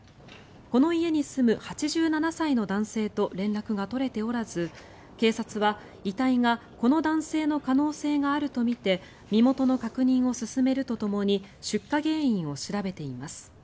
この家に住む８７歳の男性と連絡が取れておらず警察は、遺体がこの男性の可能性があるとみて身元の確認を進めるとともに出火原因を調べています。